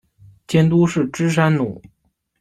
监督是芝山努。